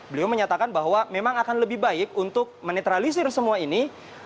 beliau menyatakan bahwa memang akan lebih baik untuk menetralisir semua ini